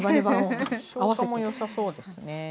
消化も良さそうですね。